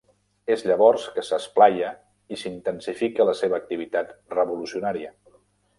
És llavors que s'esplaia i s'intensifica la seva activitat revolucionària.